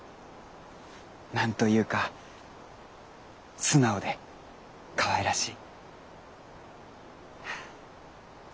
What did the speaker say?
何と言うか素直でかわいらしい。